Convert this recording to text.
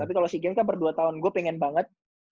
tapi kalau sea games kan per dua tahun gue pengen banget